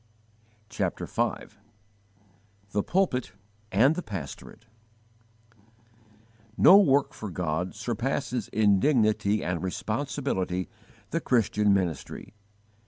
CHAPTER V THE PULPIT AND THE PASTORATE No work for God surpasses in dignity and responsibility the Christian ministry.